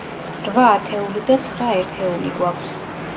რვა ათეული და ცხრა ერთეული გვაქვს.